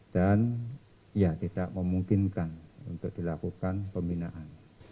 dan ya tidak memungkinkan untuk dilakukan pembinaan